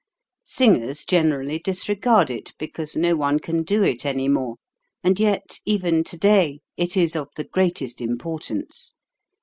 Singers generally disregard it, be cause no one can do it any more, and yet even to day it is of the greatest importance.